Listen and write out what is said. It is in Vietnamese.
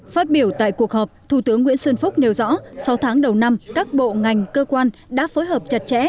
phát biểu tại cuộc họp thủ tướng nguyễn xuân phúc nêu rõ sau tháng đầu năm các bộ ngành cơ quan đã phối hợp chặt chẽ